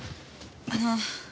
あの。